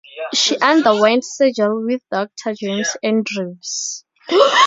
She underwent surgery with Doctor James Andrews.